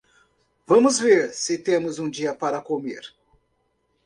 Vamos ver se temos um dia para comer.